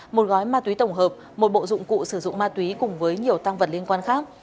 một gói ma túy tổng hợp một bộ dụng cụ sử dụng ma túy cùng với nhiều tăng vật liên quan khác